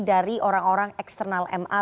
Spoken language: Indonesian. dari orang orang eksternal ma